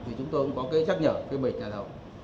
thì chúng tôi cũng có cái chắc nhở cái bệnh nhà thầu